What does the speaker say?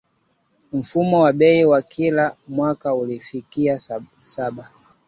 Mfumuko wa bei wa kila mwaka ulifikia saba